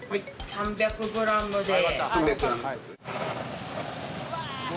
３００グラムです。